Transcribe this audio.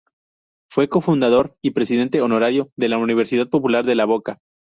Fue cofundador y presidente honorario de la Universidad Popular de La Boca.